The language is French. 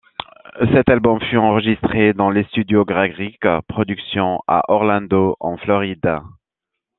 Cet album fut enregistré dans les studios Greg Rike Productions à Orlando en Floride.